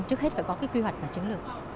chắc chắn là phải có cái quy hoạch và chứng lực